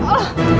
jadi hati saja